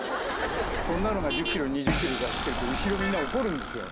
そんなのが１０キロ２０キロで走ってると後ろみんな怒るんですよ。